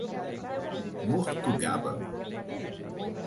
Mortugaba